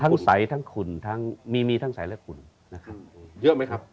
ทั้งสายทั้งขุ่นมีทั้งสายและขุ่นนะครับ